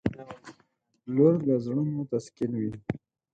• لور د زړونو تسکین وي.